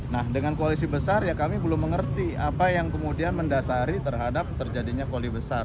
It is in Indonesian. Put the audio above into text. nah dengan koalisi besar ya kami belum mengerti apa yang kemudian mendasari terhadap terjadinya koalisi besar